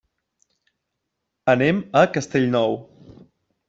Anem a Castellnou.